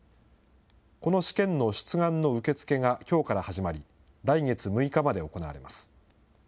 この試験の出願の受け付けがきょうから始まり、来月６日まで行われます。